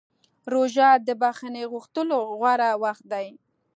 روژه د بښنې غوښتلو غوره وخت دی.